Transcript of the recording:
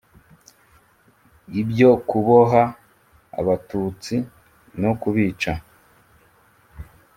ibyo kuboha abatutsi no kubica.